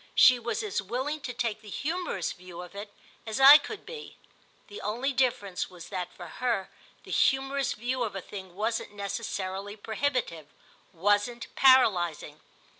She was as willing to take the humorous view of it as I could be: the only difference was that for her the humorous view of a thing wasn't necessarily prohibitive, wasn't paralysing.